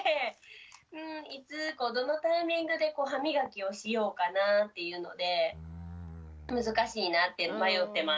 いつどのタイミングで歯みがきをしようかなっていうので難しいなって迷ってます。